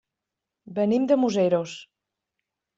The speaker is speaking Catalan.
Venim de Museros.